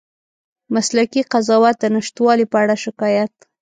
مسلکي قضاوت د نشتوالي په اړه شکایت